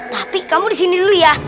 tapi kamu disini dulu ya